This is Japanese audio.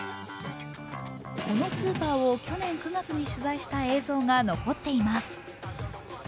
このスーパーを去年９月に取材した映像が残っています。